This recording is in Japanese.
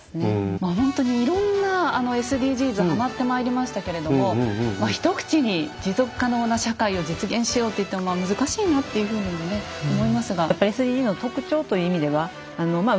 まあほんとにいろんなＳＤＧｓはまってまいりましたけれども一口に持続可能な社会を実現しようと言っても難しいなというふうにもね思いますが。